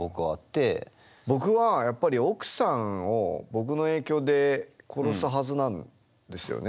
僕はやっぱり奥さんを僕の影響で殺すはずなんですよね。